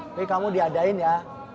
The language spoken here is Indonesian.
tapi kamu diadain ya